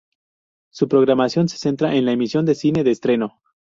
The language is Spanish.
Su programación se centra en la emisión de cine de estreno.